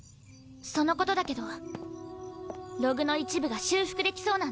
そのことだけどログの一部が修復できそうなんだ。